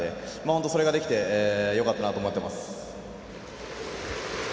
本当にそれができてよかったなって思っています。